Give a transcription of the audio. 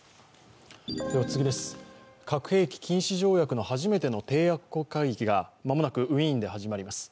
核兵器禁止条約の初めての締約国会議が間もなくウィーンで始まります。